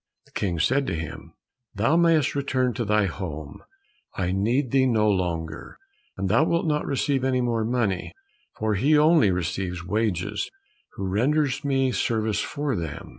The King said to him, "Thou mayst return to thy home, I need thee no longer, and thou wilt not receive any more money, for he only receives wages who renders me service for them."